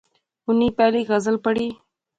انی پہلی غزل پڑھی